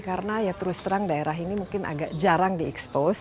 karena ya terus terang daerah ini mungkin agak jarang di expose